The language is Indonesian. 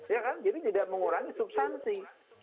ya kan jadi tidak mengurangi substansi